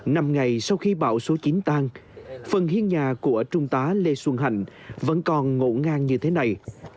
năm ngày sau khi bão số chín tan phần hiên nhà của trung tá lê xuân hành vẫn còn ngộ ngang như thế này